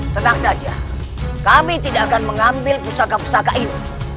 tenang saja kami tidak akan mengambil pusaka pusaka ini